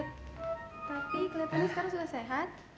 tapi kelihatannya sekarang sudah sehat